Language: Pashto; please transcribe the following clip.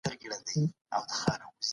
د واکمن او خلکو اړيکه د سياست مرکز جوړوي.